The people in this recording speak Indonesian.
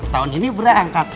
tahun ini berangkat